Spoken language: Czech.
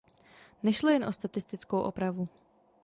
Nešlo jen o statistickou opravu.